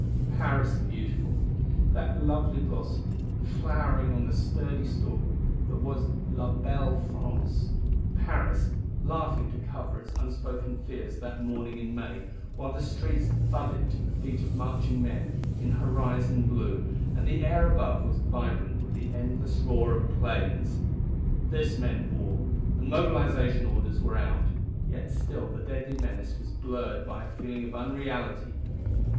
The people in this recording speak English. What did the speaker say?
Paris, the beautiful that lovely blossom, flowering on the sturdy stalk that was La Belle France! Paris, laughing to cover its unspoken fears that morning in May, while the streets thudded to the feet of marching men in horizon blue, and the air above was vibrant with the endless roar of planes. This meant war; and mobilization orders were out; yet still the deadly menace was blurred by a feeling of unreality.